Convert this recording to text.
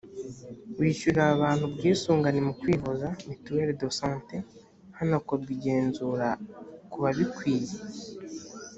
wishyurira abantu ubwisungane mu kwivuza [mutuelle de sante] hanakorwa igenzura kubabikwiye